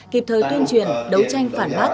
kịp thời tuyên truyền đấu tranh phản bác